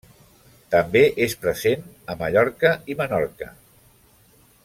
També és present a Mallorca i Menorca.